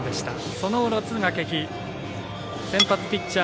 その裏、敦賀気比先発ピッチャー